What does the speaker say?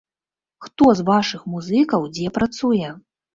Хто з вашых музыкаў дзе працуе?